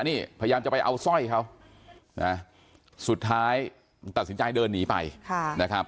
นี่พยายามจะไปเอาสร้อยเขานะสุดท้ายตัดสินใจเดินหนีไปนะครับ